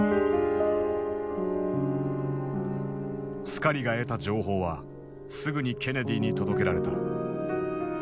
スカリが得た情報はすぐにケネディに届けられた。